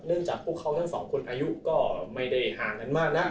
เนื่องจากพวกเขาทั้งสองคนอายุก็ไม่ได้ห่างนั้นมากนะ